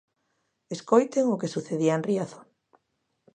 Escoiten o que sucedía en Riazor.